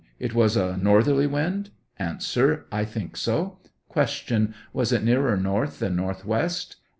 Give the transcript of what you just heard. It was a northerly wind ? A. I think so. Q. Was it nearer north than northwest